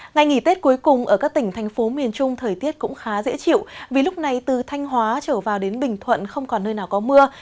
ngày nghỉ tết cuối cùng ở các tỉnh thành phố miền trung thời tiết cũng khá dễ chịu vì lúc này từ thanh hóa trở vào đến bình thuận không còn nơi nào có mưa